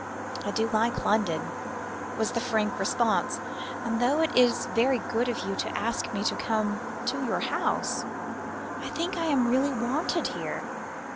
"I do like London," was the frank response, "and though it is very good of you to ask me to come to your house, I think I am really wanted here.